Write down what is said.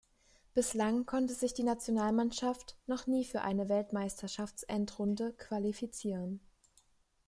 Bislang konnte sich die Nationalmannschaft noch nie für eine Weltmeisterschaftsendrunde qualifizieren.